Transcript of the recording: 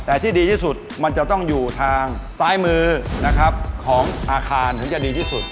แต่ที่ดีที่สุดมันจะต้องอยู่ทางซ้ายมือนะครับของอาคารถึงจะดีที่สุด